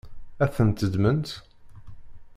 Ad ten-teddmemt?